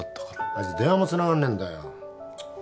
あいつ電話もつながんねぇんだよちっ。